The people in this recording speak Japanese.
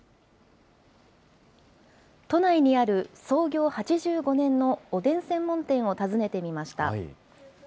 都内にある創業８５年のおでん専門店を訪ねてみました。